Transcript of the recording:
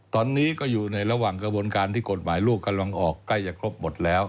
ตอนนี้ก็อยู่ในระหว่างกระบวนการที่กฎหมายลูกกำลังออกใกล้จะครบหมดแล้ว